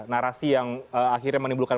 narasi yang akhirnya menimbulkan